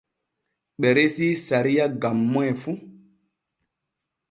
Ɓe resii sariya gam moy fu.